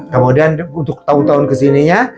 kemudian untuk tahun tahun kesininya